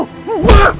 udah gitu aja